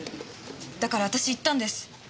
だから私言ったんです。